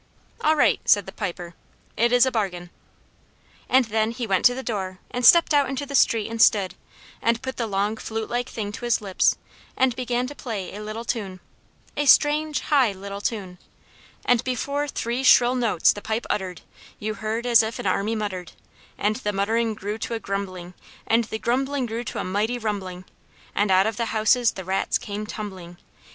"All right," said the Piper, "it is a bargain." And then he went to the door and stepped out into the street and stood, and put the long flute like thing to his lips, and began to play a little tune. A strange, high, little tune. And before three shrill notes the pipe uttered, You heard as if an army muttered; And the muttering grew to a grumbling; And the grumbling grew to a mighty rumbling; And out of the houses the rats came tumbling!